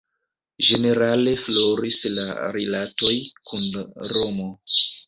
Ĝenerale floris la rilatoj kun Romo.